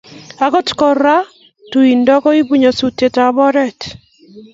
Agot Kora ko tuindo koibu nyasutikab oret